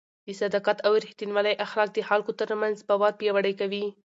د صداقت او رښتینولۍ اخلاق د خلکو ترمنځ باور پیاوړی کوي.